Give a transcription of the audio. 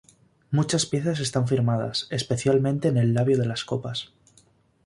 Muchas piezas están firmadas, especialmente en el labio de las copas.